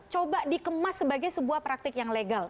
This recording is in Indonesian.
coba dikemas sebagai sebuah praktik yang legal